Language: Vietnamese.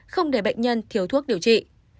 không để bệnh nhân thiếu thuốc điều trị